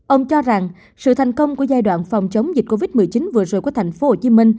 ông cho rằng sự thành công của giai đoạn phòng chống dịch covid một mươi chín vừa rồi của tp hcm